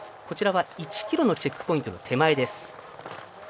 こちらは１ｋｍのチェックポイントの手前です。